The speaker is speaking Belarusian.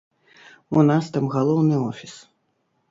У нас там галоўны офіс.